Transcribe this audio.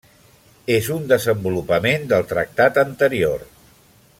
És un desenvolupament del tractat anterior.